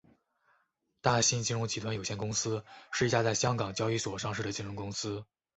大新金融集团有限公司是一家在香港交易所上市的金融公司。